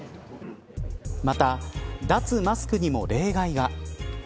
また、脱マスクにも例外が。